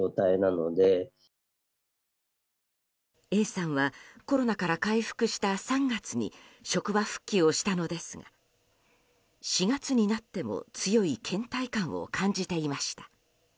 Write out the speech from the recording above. Ａさんはコロナから回復した３月に職場復帰をしたのですが４月になっても強い倦怠感を感じていました。